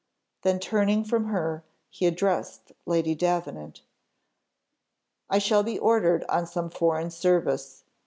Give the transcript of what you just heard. Then turning from her, he addressed Lady Davenant. "I shall be ordered on some foreign service.